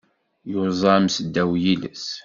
Yuẓam seddaw yiles.